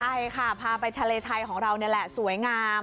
ใช่ค่ะพาไปทะเลไทยของเรานี่แหละสวยงาม